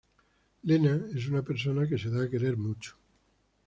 Lena es una persona que se da a querer mucho.